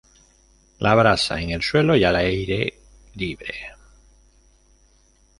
La brasa en el suelo y al aire libre.